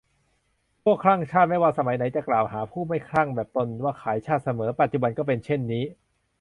พวกคลั่งชาติไม่ว่าสมัยไหนจะกล่าวหาผู้ไม่คลั่งแบบตนว่าขายชาติเสมอ ปัจจุบันก็เป็นเช่นนี้